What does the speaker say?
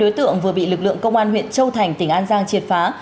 hai mươi đối tượng vừa bị lực lượng công an huyện châu thành tỉnh an giang triệt phá